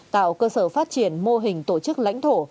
tạo cơ sở phát triển mô hình tổ chức lãnh thổ